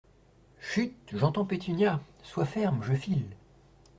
Chut !… j’entends Pétunia !… sois ferme ! je file !